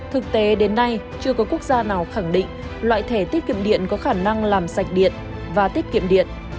thực tế đến nay chưa có quốc gia nào khẳng định loại thẻ tiết kiệm điện có khả năng làm sạch điện và tiết kiệm điện